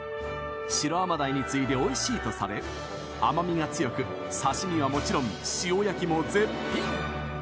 シロアマダイに次いでおいしいとされ甘みが強く刺身はもちろん塩焼きも絶品。